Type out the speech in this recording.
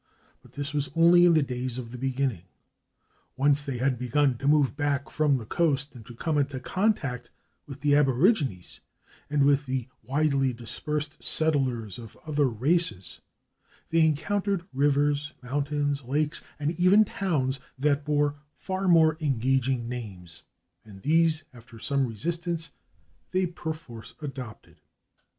But this was only in the days of beginning. Once they had begun to move back from the coast and to come into contact with the aborigines and with the widely dispersed settlers of other races, they encountered rivers, mountains, lakes and even towns that bore far more engaging names, and these, after some resistance, they perforce adopted.